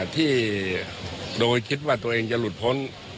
ที่โดยคิดว่าตัวเองจะหลุดพ้น